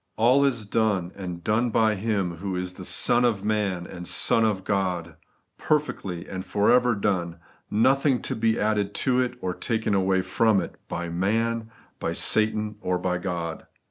All is done, and done by Him who is Son of man and Son of God ; perfectly and for ever done ; nothing to be added to it or taken from it, by man, by Satan, or by God.